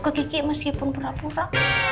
ke kiki meskipun pura pura